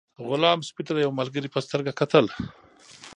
غلام سپي ته د یو ملګري په سترګه کتل.